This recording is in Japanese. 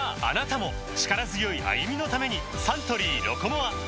あなたも力強い歩みのためにサントリー「ロコモア」